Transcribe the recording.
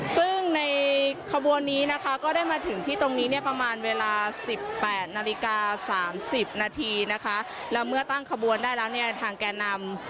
ซึ่งในขบวนนี้นะคะก็ได้มาถึงที่ตรงนี้เนี่ยประมาณเวลา๑๘นาฬิกา๓๐นาทีนะคะแล้วเมื่อตั้งขบวนได้แล้วเนี่ยทางแก่นำ